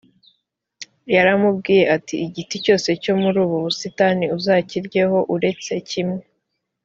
yaramubwiye ati “igiti cyose cyo muri ubu busitani uzakiryeho uretse kimwe”